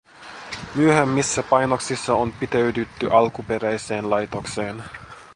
Myöhemmissä painoksissa on pitäydytty alkuperäiseen laitokseen